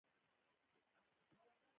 بایسکل د ورزش یوه ښه وسیله ده.